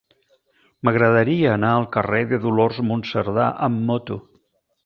M'agradaria anar al carrer de Dolors Monserdà amb moto.